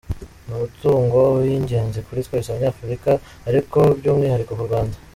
Ni umutungo w’ingenzi kuri twese Abanyafurika ariko by’umwihariko ku Rwanda.